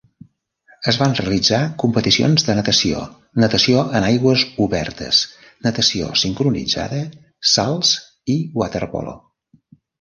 Es van realitzar competicions de natació, natació en aigües obertes, natació sincronitzada, salts i waterpolo.